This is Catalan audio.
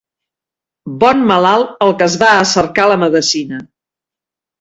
Bon malalt el que es va a cercar la medecina.